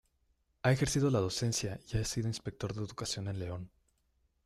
Ha ejercido la docencia y ha sido Inspector de Educación en León.